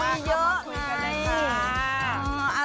มาคุยกันนะคะ